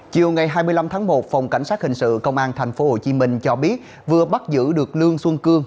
chiều ngày hai mươi năm tháng một phòng cảnh sát hình sự công an tp hcm cho biết vừa bắt giữ được lương xuân cương